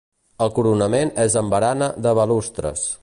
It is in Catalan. El coronament és amb barana de balustres.